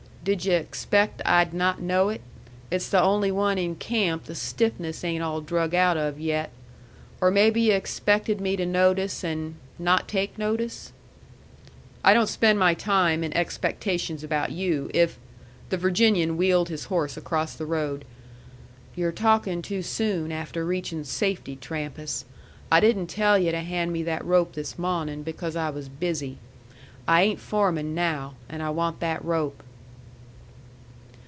Did yu' expect I'd not know it? It's the only one in camp the stiffness ain't all drug out of yet. Or maybe yu' expected me to notice and not take notice?" "I don't spend my time in expectations about you. If " The Virginian wheeled his horse across the road. "Yu're talkin' too soon after reachin' safety, Trampas. I didn't tell yu' to hand me that rope this mawnin', because I was busy. I ain't foreman now; and I want that rope."